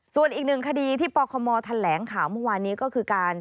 ส่วนอีกหนึ่งคดีที่ปคมแถลงข่าวเมื่อวานนี้ก็คือการ